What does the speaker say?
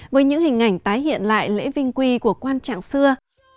hình ảnh tái hiện lại lễ vinh quy của quan trạng xưa